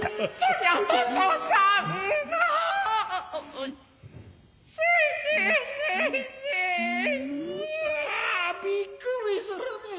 イヤびっくりするねえ。